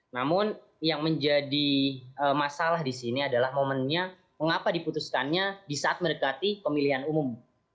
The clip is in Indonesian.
namun yang menjadi masalah di sini adalah momennya mengapa diputuskannya di saat mendekati pemilihan umum